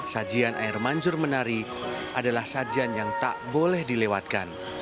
sajian air mancur menari adalah sajian yang tak boleh dilewatkan